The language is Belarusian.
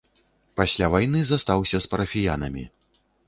Пасля вайны застаўся з парафіянамі.